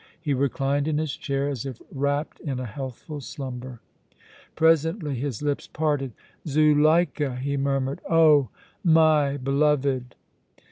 He reclined in his chair as if wrapped in a healthful slumber. Presently his lips parted. "Zuleika!" he murmured. "Oh! my beloved!"